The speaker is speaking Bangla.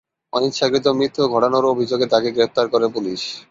অনিচ্ছাকৃত মৃত্যু ঘটানোর অভিযোগে তাকে গ্রেপ্তার করে পুলিশ।